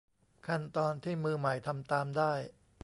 ขั้นตอนที่มือใหม่ทำตามได้